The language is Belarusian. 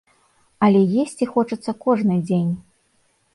Але есці хочацца кожны дзень.